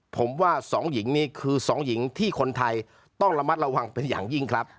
ผมว่า๒หญิงนี้คือ๒หญิงที่คนไทยต้องระมัดระวังเป็นอย่างยิ่งครับ